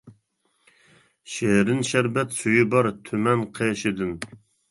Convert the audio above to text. شېرىن شەربەت سۈيى بار، تۈمەن قېشىدىن.